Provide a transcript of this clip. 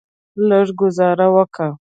لږه ګوزاره وکه.